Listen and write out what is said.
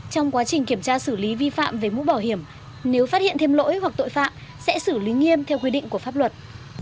trong quá trình kiểm tra xử lý vi phạm về mũ bảo hiểm nếu phát hiện thêm lỗi hoặc tội phạm sẽ xử lý nghiêm theo quy định của pháp luật